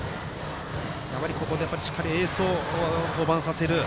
ここで、しっかりエースを登板させる。